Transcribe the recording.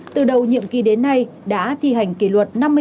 từ đầu nhiệm kỳ đến nay đã thi hành kỷ luật